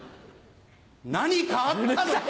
何かあったのか？